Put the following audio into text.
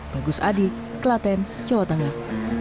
bagus adi klaten jawa tengah